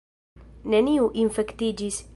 Neniu infektiĝis!